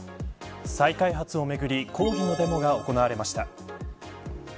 再開発をめぐり抗議のデモが行われました。